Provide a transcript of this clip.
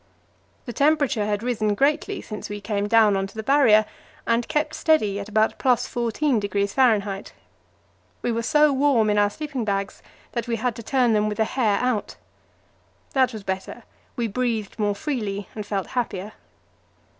The temperature had risen greatly since we came down on to the Barrier, and kept steady at about + 14° F. We were so warm in our sleeping bags that we had to turn them with the hair out. That was better; we breathed more freely and felt happier.